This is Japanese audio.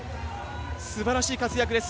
すばらしい活躍です。